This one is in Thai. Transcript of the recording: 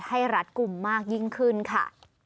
รัดกลุ่มมากยิ่งขึ้นค่ะ